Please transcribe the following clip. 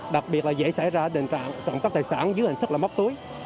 đặc biệt là dễ xảy ra đền trạng trọng cấp tài sản dưới hình thức là móc túi